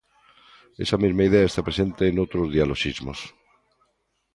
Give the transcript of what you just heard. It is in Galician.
Esa mesma idea está presente noutros dialoxismos.